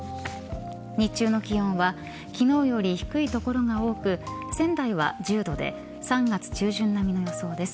日中の気温は昨日より低い所が多く、仙台は１０度で３月中旬並みの予想です。